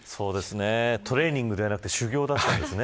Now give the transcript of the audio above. トレーニングではなくて修行だったんですね。